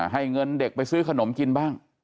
ให้เงินเด็กไปซื้อขนมกินบ้าง